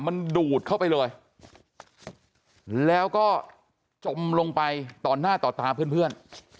มันดูดเข้าไปเลยแล้วก็จมลงไปต่อหน้าต่อตาเพื่อน